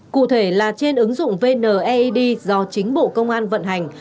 cụ thể là trên ứng dụng vneid do chính bộ công an vận hành